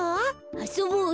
あそぼうよ。